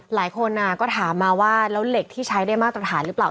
หลายคนก็ถามมาว่าแล้วเหล็กที่ใช้ได้มาตรฐานหรือเปล่า